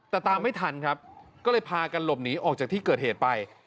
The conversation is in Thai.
แต่ตามไม่ทันครับก็เลยพากันหลบหนีออกจากที่เกิดเหตุไป